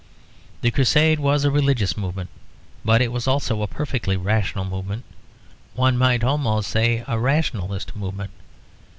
The Crusade was a religious movement, but it was also a perfectly rational movement; one might almost say a rationalist movement.